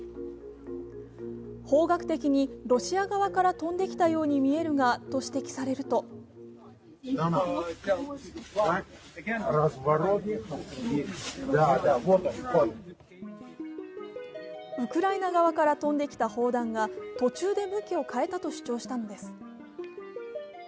方角的にロシア側から飛んできたように見えるがと指摘されるとウクライナ側から飛んできた砲弾が途中で向きを変えたと主張したのです。